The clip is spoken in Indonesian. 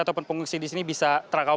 ataupun pengungsi di sini bisa terakau